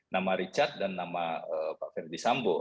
nama richard dan nama pak ferdisambo